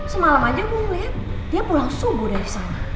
semalam aja gue ngeliat dia pulau subuh dari sana